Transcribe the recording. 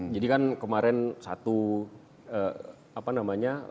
jadi kan kemarin satu apa namanya